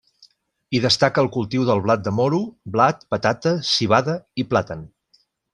Hi destaca el cultiu del blat de moro, blat, patata, civada i plàtan.